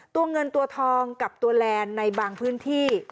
ตัวเงินตัวทองกับตัวแลนด์ในบางพื้นที่